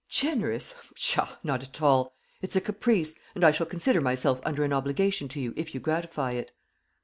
"Generous! Pshaw, not at all. It's a caprice; and I shall consider myself under an obligation to you if you gratify it."